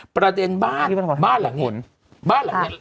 ประเด็นบ้านหลังนี้